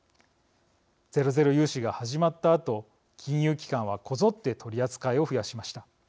ゼロゼロ融資が始まったあと金融機関はこぞって取り扱いを増やしました。